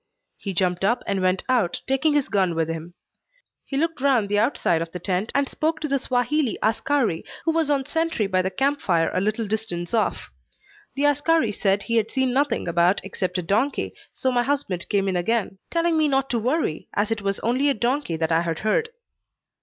He jumped up and went out, taking his gun with him. He looked round the outside of the tent, and spoke to the Swahili askari who was on sentry by the camp fire a little distance off. The askari said he had seen nothing about except a donkey, so my husband came in again, telling me not to worry as it was only a donkey that I had heard.